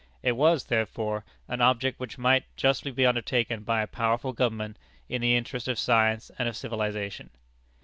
It was, therefore, an object which might justly be undertaken by a powerful government, in the interest of science and of civilization.